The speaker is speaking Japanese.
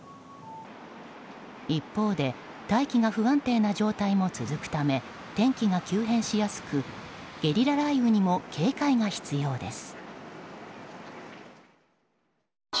一方で大気が不安定な状態も続くため天気が急変しやすくゲリラ雷雨にも警戒が必要です。